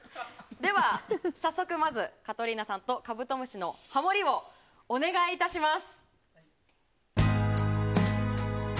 早速、カトリーナさんと「カブトムシ」のハモリをお願いいたします。